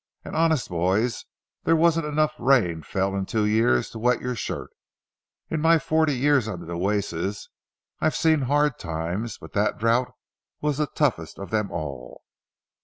And honest, boys, there wasn't enough rain fell in two years to wet your shirt. In my forty years on the Nueces, I've seen hard times, but that drouth was the toughest of them all.